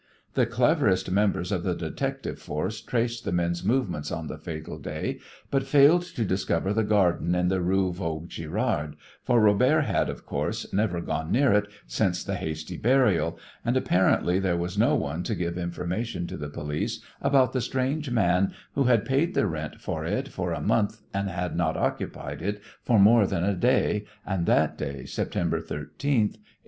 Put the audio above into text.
The cleverest members of the detective force traced the men's movements on the fatal day, but failed to discover the garden in the Rue Vaugirard, for Robert had, of course, never gone near it since the hasty burial, and, apparently, there was no one to give information to the police about the strange man who had paid the rent for it for a month and had not occupied it for more than a day and that day September 13th, 1821.